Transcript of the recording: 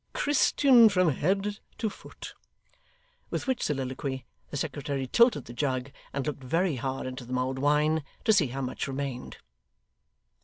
Christian from head to foot.' With which soliloquy, the secretary tilted the jug, and looked very hard into the mulled wine, to see how much remained.